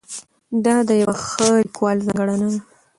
دا د یوه ښه لیکوال ځانګړنه ده.